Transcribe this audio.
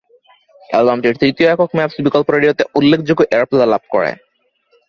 অ্যালবামটির তৃতীয় একক, "ম্যাপস" বিকল্প রেডিওতে উল্লেখযোগ্য এয়ারপ্লে লাভ করে।